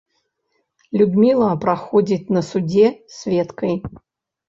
Людміла праходзіць на судзе сведкай.